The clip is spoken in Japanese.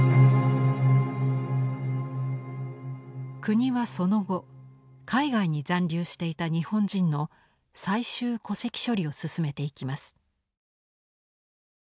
国はその後海外に残留していた日本人の最終戸籍処理を進めていきます。